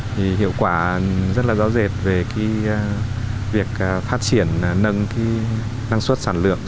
thì hiệu quả rất là rõ rệt về việc phát triển nâng năng suất sản lượng